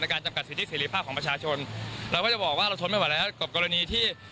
การจำกัดสิทธิเสรีภาพของประชาชนเราก็จะบอกว่าเราทนไม่ไหวแล้วกับกรณีที่